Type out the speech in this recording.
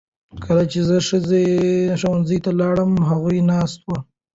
کله چې زه ښوونځي ته لاړم هغوی ناست وو.